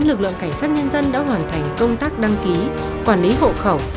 lực lượng cảnh sát nhân dân đã hoàn thành công tác đăng ký quản lý hộ khẩu